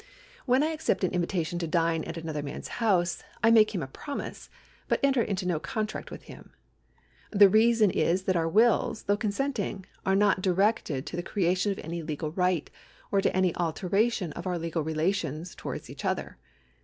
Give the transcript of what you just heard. When I accept an invitation to dine at another man's house, I make him a promise, but enter into no contract with him. The reason is that our wills, though consenting, are not directed to the creation of any legal right or to any alteration of our legal relations towards each other.